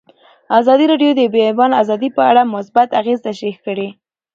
ازادي راډیو د د بیان آزادي په اړه مثبت اغېزې تشریح کړي.